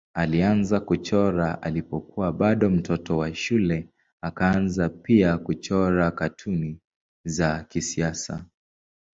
Alianza kuchora alipokuwa bado mtoto wa shule akaanza pia kuchora katuni za kisiasa.